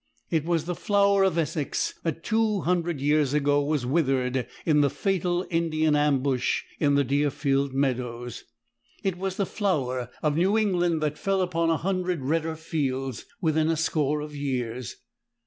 It was the flower of Essex that two hundred years ago was withered in the fatal Indian ambush in the Deerfield Meadows. It was the flower of New England that fell upon a hundred redder fields within a score of years.